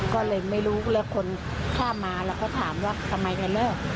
ก็เลยไม่รู้แล้วคนข้ามมาแล้วก็ถามว่าทำไมแกเลิก